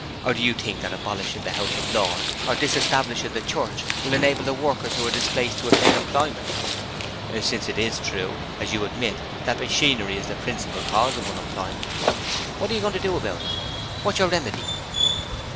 Or do you think that abolishing the House of Lords, or disestablishing the Church, will enable the workers who are displaced to obtain employment? Since it IS true as you admit that machinery is the principal cause of unemployment, what are you going to do about it? What's your remedy?'